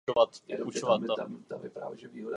Archeologové zde objevili množství dávných pozůstatků.